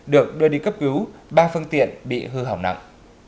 được đưa đi cấp cứu ba phương tiện bị hư hỏng nặng